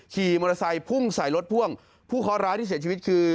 ขี่มอเตอร์ไซค์พุ่งใส่รถพ่วงผู้เคาะร้ายที่เสียชีวิตคือ